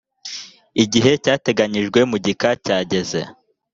igihe cyateganyijwe mu gika cyageze.